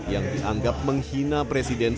yang dianggap menghina presiden sebagai seorang pemerintah